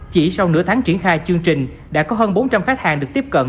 chỉ sau nửa tháng triển khai chương trình đã có hơn bốn trăm linh khách hàng được tiếp cận